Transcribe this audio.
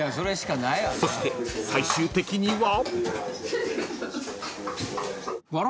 ［そして最終的には］